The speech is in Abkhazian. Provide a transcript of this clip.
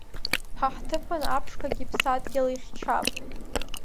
Ҳа ҳҭыԥан, аԥшқагьы иԥсадгьыл ихьчап!